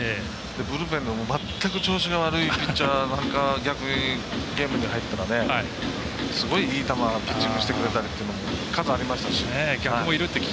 ブルペンで全く調子が悪いピッチャーが逆にゲームに入ったらすごい、いいピッチングしてくれたりというのも数ありましたし。